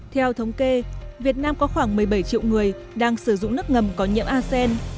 theo thống kê việt nam có khoảng một mươi bảy triệu người đang sử dụng nước ngầm có nhiễm asean